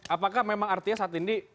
apakah memang artinya saat ini